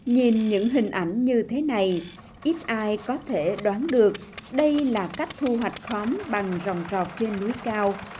nhìn những hình ảnh như thế này ít ai có thể đoán được đây là cách thu hoạch khóm bằng dòng dọc trên núi cao